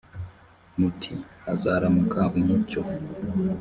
muti hazaramuka umucyo